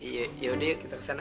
ya yaudah yuk kita kesana